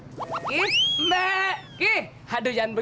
atau ibede adobe